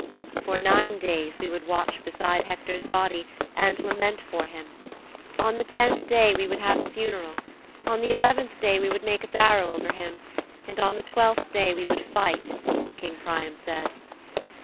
"For nine days we would watch beside Hector's body and lament for him; on the tenth day we would have the funeral; on the eleventh day we would make the barrow over him, and on the twelfth day we would fight," King Priam said.